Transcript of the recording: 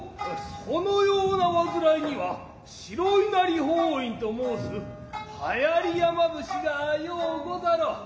その様な煩いには白稲荷法印と申す流行山伏がようござろう。